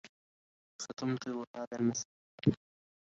ستمطر هذا المساء.